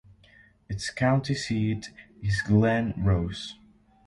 Its county seat is Glen Rose.